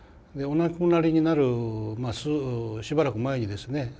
お亡くなりになるしばらく前にですね